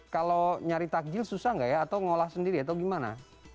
kalau nyari takjil susah nggak ya atau ngolah sendiri atau gimana